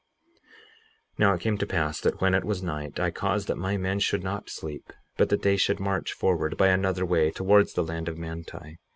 58:26 Now it came to pass that when it was night, I caused that my men should not sleep, but that they should march forward by another way towards the land of Manti.